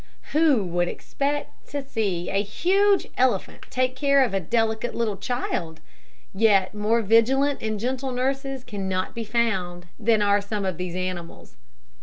Who would expect to see a huge elephant take care of a delicate little child? Yet more vigilant and gentle nurses cannot be found than are some of these animals.